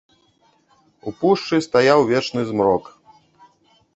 У пушчы стаяў вечны змрок.